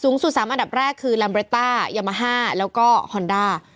๓อันดับแรกคือลัมเบรต้ายามาฮ่าแล้วก็ฮอนด้า